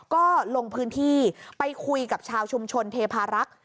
ก็ลงพื้นที่ไปคุยกับชาวชุมชนเทพารักษ์